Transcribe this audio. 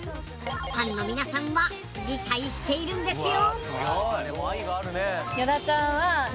ファンの皆さんは理解しているんですよ。